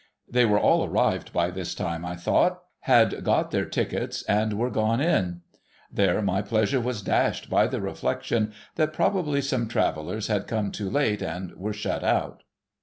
They were all arrived by this time, I thought, had got their tickets, and were gone in. — There my pleasure was dashed by the reflection that probably some Travellers had come too late and were shut out.